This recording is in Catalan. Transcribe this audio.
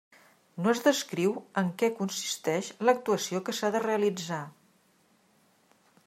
No es descriu en què consisteix l'actuació que s'ha de realitzar.